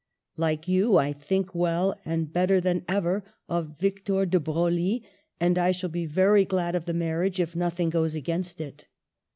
Like you, I think well, and better than ever, of Victor de Broglie, and I shall be very glad of the marriage if nothing goes against it.